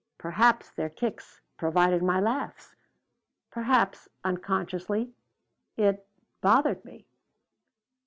Perhaps their kicks provided my laughs. Perhaps, unconsciously, it bothered me."